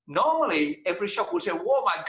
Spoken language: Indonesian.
biasanya setiap kedai akan bilang